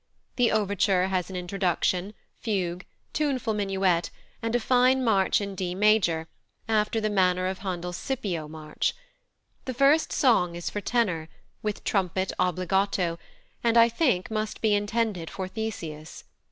The overture has an introduction, fugue, tuneful minuet, and a fine march in D major after the manner of Handel's Scipio march. The first song is for tenor, with trumpet obbligato, and, I think, must be intended for Theseus.